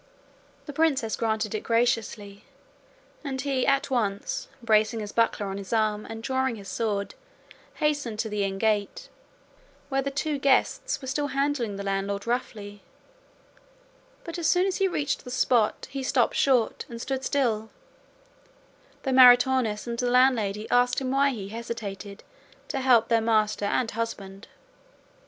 The princess granted it graciously, and he at once, bracing his buckler on his arm and drawing his sword, hastened to the inn gate, where the two guests were still handling the landlord roughly; but as soon as he reached the spot he stopped short and stood still, though Maritornes and the landlady asked him why he hesitated to help their master and husband.